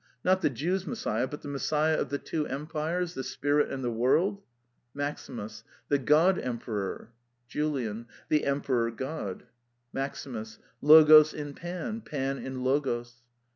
Not the Jews' Messiah, but the Messiah of the two empires, the spirit and the world? MAXIMUS. The God Emperor. JULIAN. The Emperor God. MAXIMUS. Logos in Pan, Pan in Logos.